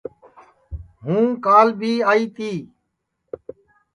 ہُوں کال بھی آئی تی